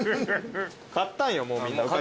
買ったんよもうみんな。